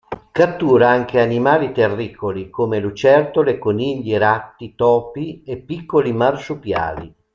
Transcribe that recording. Cattura anche animali terricoli, come lucertole, conigli, ratti, topi e piccoli marsupiali.